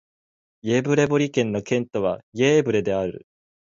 イェヴレボリ県の県都はイェーヴレである